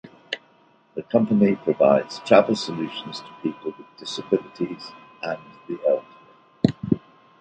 The company provides travel solutions to people with disabilities and the elderly.